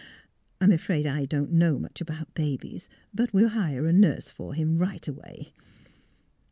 I'm afraid I don't know much about babies; but we'll hire a nurse for him right away.